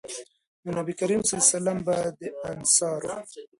نو نبي کريم صلی الله علیه وسلّم به د انصارو